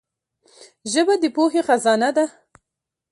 ژبه د پوهي خزانه ده.